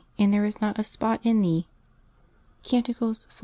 and there is not a spot in thee'' (Cant iv.